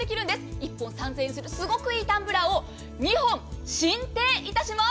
１本３０００円するすごいいいタンブラーを２本進呈いたします！